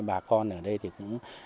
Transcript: bà con ở đây thì cũng